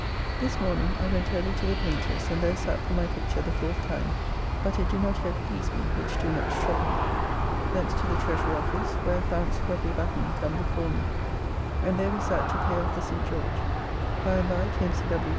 This morning I went early to the Paynter's and there sat for my picture the fourth time, but it do not yet please me, which do much trouble me. Thence to the Treasury Office, where I found Sir W. Batten come before me, and there we sat to pay off the St. George. By and by came Sir W.